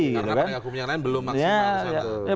karena penegak hukum yang lain belum maksimal